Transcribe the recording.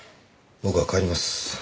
僕は帰ります。